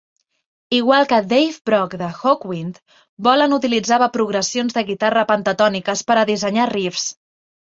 Igual que Dave Brock de Hawkwind, Bolan utilitzava progressions de guitarra pentatòniques per a dissenyar riffs.